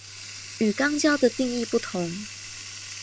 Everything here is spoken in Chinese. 与肛交的定义不同。